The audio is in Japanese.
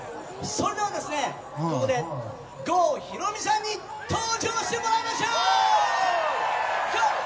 それでは、ここで郷ひろみさんに登場してもらいましょう！クラップ！